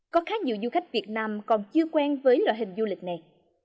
có khá nhiều du khách việt nam còn chưa quen với loại hình du lịch này